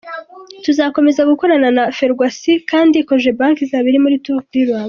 Tuzakomza gukorana na Ferwacy kandi Cogebanque izaba iri muri Tour du Rwanda.